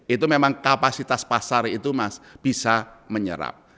itu memang kapasitas pasar itu bisa menyerap